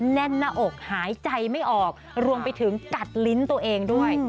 แน่นหน้าอกหายใจไม่ออกรวมไปถึงกัดลิ้นตัวเองด้วย